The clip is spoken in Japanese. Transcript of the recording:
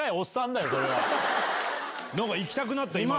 何か行きたくなった今。